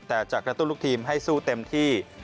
แต่จะกระตุ้นลูกทีมให้สู้เต็มที่